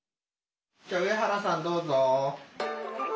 上原さんどうぞ。